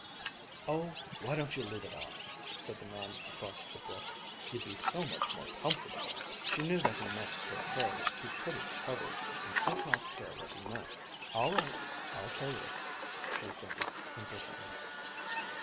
"Oh, why don't you leave it off?" said the man across the brook. "You'd be so much more comfortable!" She knew that he meant her hair was too pretty to cover, and did not care what he meant. "All right, I'll carry it," she assented indifferently.